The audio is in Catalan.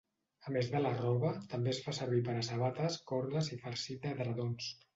A més de la roba, també es fa servir per a sabates, cordes i farcit d'edredons.